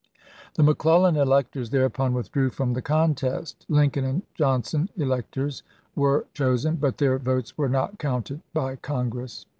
The McClellan electors thereupon withdrew from the contest; Lincoln and Johnson electors were chosen, but their votes were not counted by Congress.